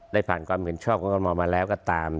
เลยผ่านความกรรมกันชอบเค้ามาแล้วก็ตาม